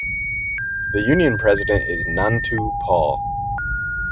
The union president is Nantu Paul.